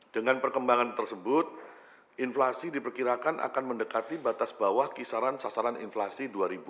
dengan perkembangan tersebut inflasi diperkirakan akan mendekati batas bawah kisaran sasaran inflasi dua ribu dua puluh